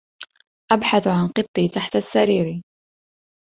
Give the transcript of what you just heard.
ابحث عن قطي تحت السرير.